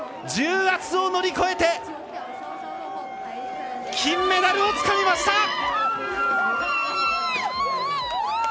重圧を乗り越えて金メダルをつかみました！